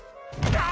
あ！